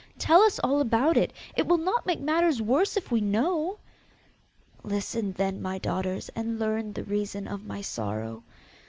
Tell us all about it! It will not make matters worse if we know!' 'Listen then, my daughters, and learn the reason of my sorrow.